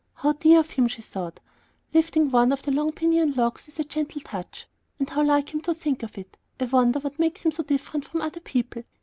"How dear of him!" she thought, lifting one of the big piñon logs with a gentle touch; "and how like him to think of it! I wonder what makes him so different from other people.